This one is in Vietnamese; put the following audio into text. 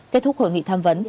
kết thúc hội nghị tham vấn